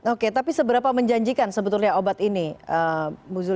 oke tapi seberapa menjanjikan sebetulnya obat ini prof zulis